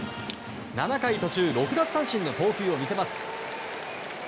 ７回途中６奪三振の投球を見せます。